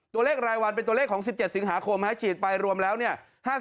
ตัวเลขรายวันเป็นตัวเลขของ๑๗สิงหาคมฉีดไปรวมแล้วเนี่ย